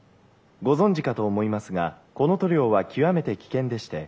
ご存じかと思いますがこの塗料は極めて危険でして」。